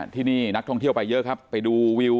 ที่นี่นักท่องเที่ยวไปเยอะครับไปดูวิว